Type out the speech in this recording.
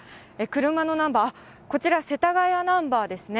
車のナンバー、こちら、世田谷ナンバーですね。